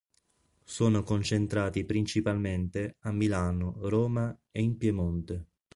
Sono concentrati principalmente a Milano, Roma e in Piemonte.